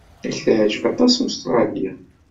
Ad k-teɛjeb aṭas Ustṛalya.